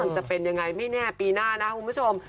มันจะเป็นยังไงไม่แน่ปีหน้านะคุณผู้ชม